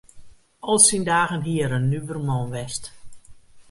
Al syn dagen hie er in nuver man west.